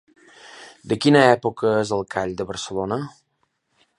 De quina època és el Call de Barcelona?